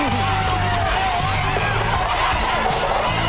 เฮ้ยเฮ้ย